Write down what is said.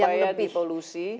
ada upaya dipolusi